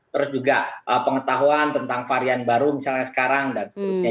terus juga pengetahuan tentang varian baru misalnya sekarang dan seterusnya